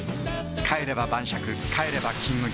帰れば晩酌帰れば「金麦」